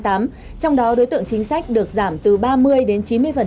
trong đó đối tượng chính sách được giảm từ ba mươi đến chín mươi